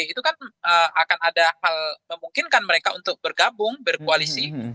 itu kan akan ada hal memungkinkan mereka untuk bergabung berkoalisi